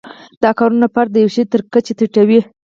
دا کارونه فرد د یوه شي تر کچې ټیټوي.